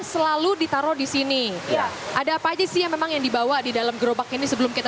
selalu ditaruh di sini ya ada apa aja sih yang memang yang dibawa di dalam gerobak ini sebelum kita